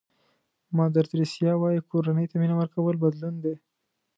مادر تریسیا وایي کورنۍ ته مینه ورکول بدلون دی.